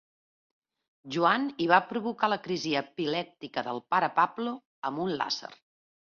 Joan i va provocar la crisi epilèptica del pare Pablo amb un làser?